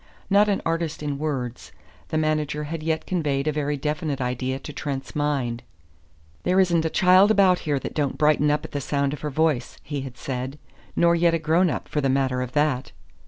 Not an artist in words, the manager had yet conveyed a very definite idea to Trent's mind. "There isn't a child about here that don't brighten up at the sound of her voice," he had said, "nor yet a grown up, for the matter of that.